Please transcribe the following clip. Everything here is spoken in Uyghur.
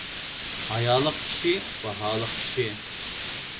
ھايالىق كىشى – باھالىق كىشى.